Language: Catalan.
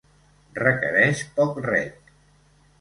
Requereix poc reg.